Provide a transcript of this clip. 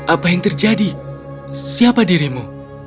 apa yang terjadi siapa dirimu